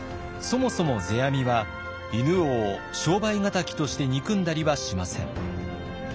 そもそも世阿弥は犬王を商売敵として憎んだりはしません。